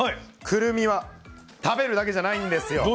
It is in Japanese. くるみは食べるだけじゃないんですよ。